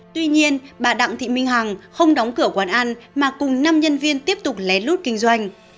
tuy nhiên bà đặng thị minh hằng không đóng cửa quán ăn mà cùng năm nhân viên tiếp tục lén lút kinh doanh